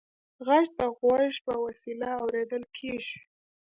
غږ د غوږ په وسیله اورېدل کېږي.